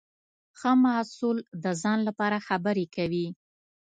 ښه محصول د ځان لپاره خبرې کوي.